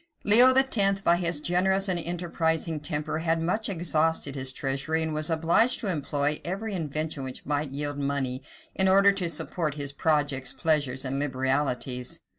Leo X., by his generous and enterprising temper, had much exhausted his treasury, and was obliged to employ every invention which might yield money, in order to support his projects, pleasures, and liberalities.